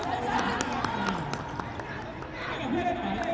สวัสดีครับทุกคน